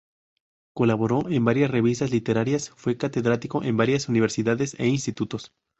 Colaboró en varias revistas literarias, fue catedrático en varias universidades e institutos.